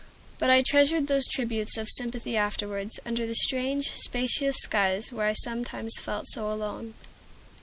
But I treasured those tributes of sympathy afterwards, under the strange, spacious skies where I sometimes felt so alone.